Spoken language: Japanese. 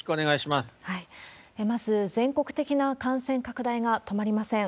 まず、全国的な感染拡大が止まりません。